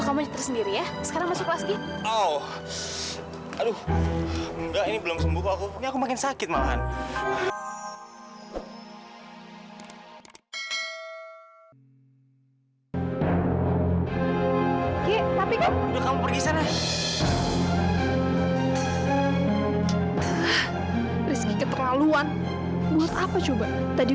sampai jumpa di video selanjutnya